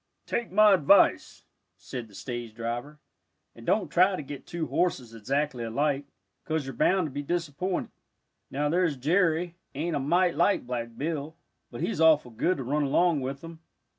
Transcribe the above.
"Take my advice," said the stage driver, "an don't try to get two horses exactly alike, 'cause you're bound to be disappointed. Now there's Jerry; ain't a mite like Black Bill, but he's awful good to run along with him."